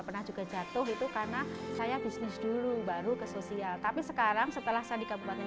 pernah juga jatuh itu karena saya bisnis dulu baru ke sosial tapi sekarang setelah saya di kabupaten